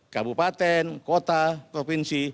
kabupaten kota provinsi